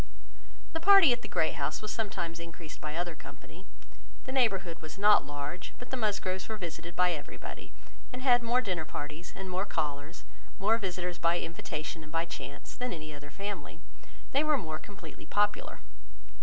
The party at the Great House was sometimes increased by other company. The neighbourhood was not large, but the Musgroves were visited by everybody, and had more dinner parties, and more callers, more visitors by invitation and by chance, than any other family. They were more completely popular.